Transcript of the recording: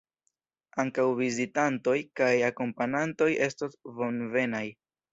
Ankaŭ vizitantoj kaj akompanantoj estos bonvenaj.